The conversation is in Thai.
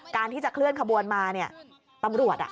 การที่จะเคลื่อนขบวนมาเนี่ยตำรวจ